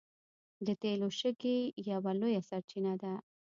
د تیلو شګې یوه لویه سرچینه ده.